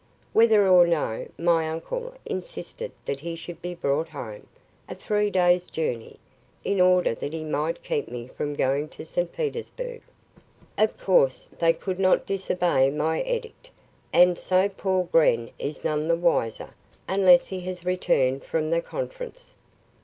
Whether or no, my uncle insisted that he should be brought home, a three days' journey, in order that he might keep me from going to St. Petersburg. Of course, they could not disobey my edict, and so poor Gren is none the wiser, unless he has returned from the conference.